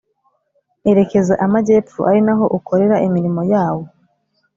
Erekeza Amajyepfo ari naho ukorera imirimo yawo